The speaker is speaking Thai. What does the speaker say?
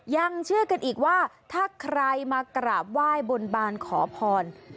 ยังเชื่อกันอีกว่าถ้าใครมากราบไหว้บนบานขอพร